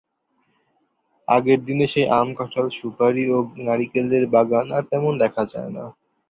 আগের দিনের সেই আম, কাঁঠাল, সুপারি ও নারিকেলের বাগান আর তেমন দেখা যায় না।